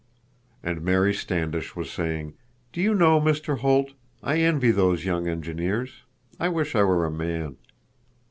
And Mary Standish was saying: "Do you know, Mr. Holt, I envy those young engineers. I wish I were a man."